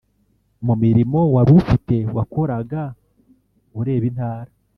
mu mirimo wari ufite wakoraga ureba intara